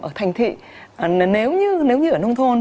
ở thành thị nếu như ở nông thôn